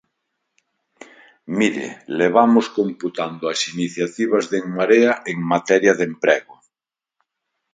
Mire, levamos computando as iniciativas de En Marea en materia de emprego.